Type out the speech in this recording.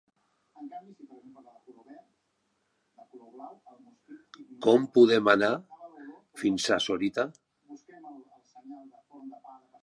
Com podem anar fins a Sorita?